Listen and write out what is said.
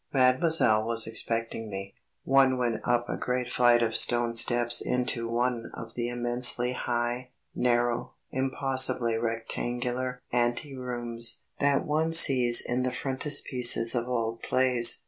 Mademoiselle was expecting me. One went up a great flight of stone steps into one of the immensely high, narrow, impossibly rectangular ante rooms that one sees in the frontispieces of old plays.